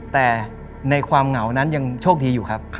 แต่ในความเหงานั้นยังโชคดีอยู่ครับ